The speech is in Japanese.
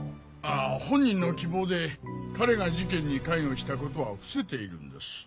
本人の希望で彼が事件に関与したことは伏せているんです。